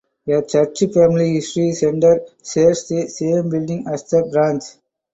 A church family history center shares the same building as the branch.